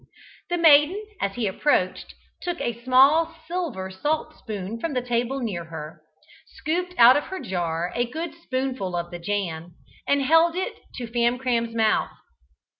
The maiden, as he approached, took a small silver salt spoon from the table near her, scooped out of her jar a good spoonful of the jam, and held it to Famcram's mouth.